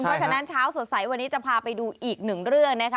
เพราะฉะนั้นเช้าสดใสวันนี้จะพาไปดูอีกหนึ่งเรื่องนะคะ